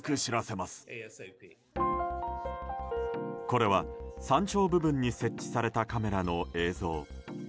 これは山頂部分に設置されたカメラの映像。